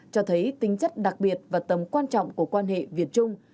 cho thấy tính chất đặc biệt và tầm quan trọng của quan hệ việt trung